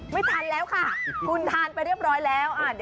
ไม่ทันแล้วค่ะคุณทานไปเรียบร้อยแล้ว